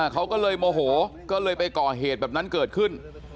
เขาก็เลยโมโหก็เลยไปก่อเหตุแบบนั้นเกิดขึ้น